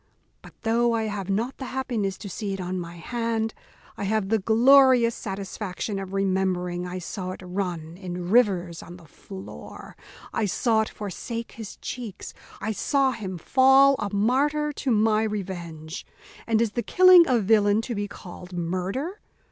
But, though I have not the happiness to see it on my hand, I have the glorious satisfaction of remembering I saw it run in rivers on the floor; I saw it forsake his cheeks, I saw him fall a martyr to my revenge. And is the killing a villain to be called murder?